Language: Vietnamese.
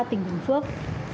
tỉnh bình phước